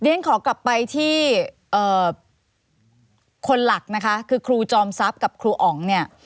ฉันขอกลับไปที่คนหลักนะคะคือครูจอมทรัพย์กับครูอ๋องเนี่ย